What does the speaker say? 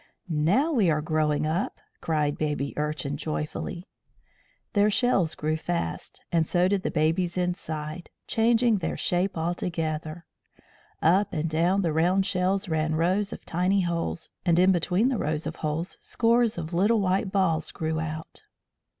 "Now we are growing up!" cried Baby Urchin joyfully. Their shells grew fast, and so did the babies inside, changing their shape altogether. Up and down the round shells ran rows of tiny holes, and in between the rows of holes scores of little white balls grew out.